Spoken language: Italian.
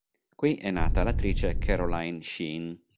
Qui è nata l'attrice Caroline Sheen.